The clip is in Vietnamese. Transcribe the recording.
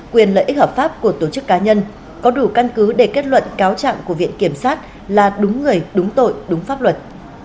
quyền lợi ích hợp pháp của tổ chức cá nhân có đủ căn cứ để kết luận cáo trạng của viện kiểm sát là đúng người đúng tội đúng pháp luật